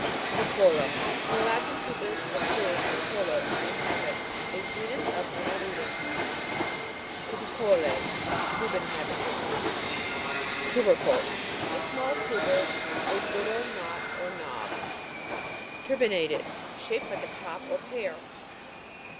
TUBICO'LA. From the Latin, tubus, a tube, and colo, I inhabit. A genus of anne'lidans. . TU'BICOLE. Tube inhabiting. TU'BERCLE. A small tuber; a little knot or nob. TUR'BINATED. Shaped like a top or pear.